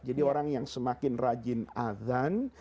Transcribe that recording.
jadi orang yang semakin rajin adhan